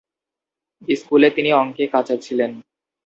স্কুলে তিনি অঙ্কে কাঁচা ছিলেন।